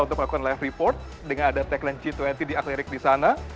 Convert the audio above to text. untuk melakukan live report dengan ada tagline g dua puluh di aklerik di sana